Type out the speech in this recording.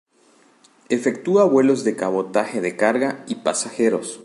Efectúa vuelos de cabotaje de carga y pasajeros.